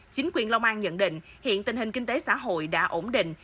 chính quyền long an nhận định hiện tình hình kinh tế xã hội đã ổn định